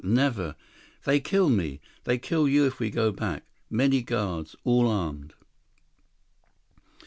Never. They kill me. They kill you if we go back. Many guards. All armed."